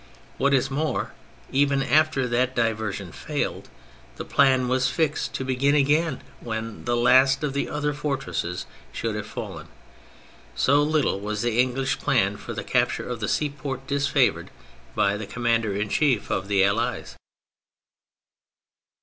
What is more, even after that diversion failed, the plan was fixed to begin again when the last of the other fortresses should have fallen : so little was the English plan for the capture of the seaport disfavoured by the commander in chief of the Allies.